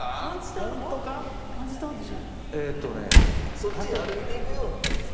そっちに歩いていくような感じですか？